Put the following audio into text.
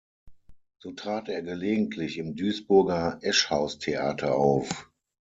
So trat er gelegentlich im Duisburger Eschhaus-Theater auf.